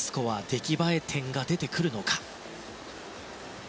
出来栄え点が出てくるのか。